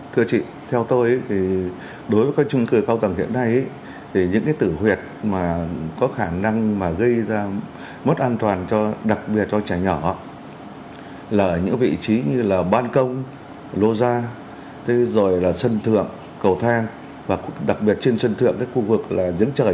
thưa chị theo tôi đối với các trung cư cao tầng hiện nay những tử huyệt có khả năng gây ra mất an toàn đặc biệt cho trẻ nhỏ là ở những vị trí như ban công lô gia sân thượng cầu thang và đặc biệt trên sân thượng khu vực giếng trời